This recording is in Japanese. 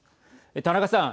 田中さん。